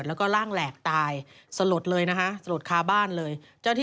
ซึ่งตอน๕โมง๔๕นะฮะทางหน่วยซิวได้มีการยุติการค้นหาที่